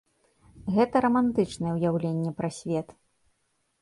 Гэта рамантычнае ўяўленне пра свет.